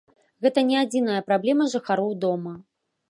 Гэта не адзіная праблема жыхароў дома.